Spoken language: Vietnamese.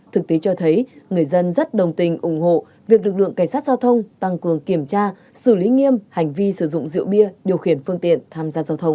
thực tế cho thấy người dân rất đồng tình ủng hộ việc lực lượng cảnh sát giao thông tăng cường kiểm tra xử lý nghiêm hành vi sử dụng rượu bia điều khiển phương tiện tham gia giao thông